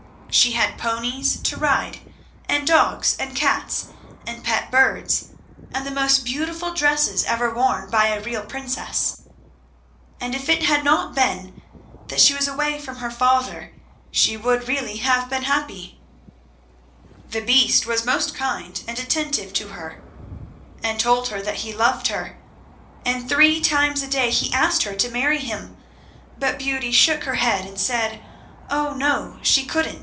She had ponies to ride, and dogs and cats, and pet birds, and the most beautiful dresses ever worn by real princesses. And if it had not been that she was away from her father she would really have been happy. [Illustration: Painted by Jennie Harbour BEAUTY AND THE BEAST] The Beast was most kind and attentive to her, and told her that he loved her, and three times a day he asked her to marry him, but Beauty shook her head and said, oh no, she couldn't.